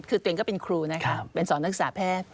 คือตัวเองก็เป็นครูนะคะ